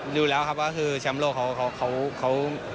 ดูแล้วครับว่าคือแชมป์โลกเขา